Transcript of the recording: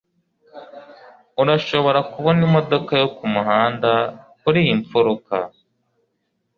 Urashobora kubona imodoka yo kumuhanda kuriyi mfuruka.